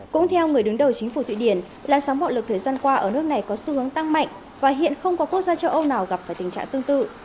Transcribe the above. cũng theo người đứng đầu chính phủ thụy điển làn sóng bạo lực thời gian qua ở nước này có xu hướng tăng mạnh và hiện không có quốc gia châu âu nào gặp phải tình trạng tương tự